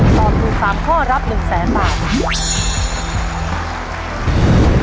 ตอบถูก๓ข้อรับ๑แสนบาท